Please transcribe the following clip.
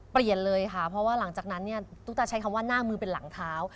เปลี่ยนเลยค่ะเพราะว่าหลังจากนั้นเนี่ยตุ๊กตาใช้คำว่าหน้ามือเป็นหลังเท้า